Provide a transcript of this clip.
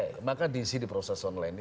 tidak ada proses online ini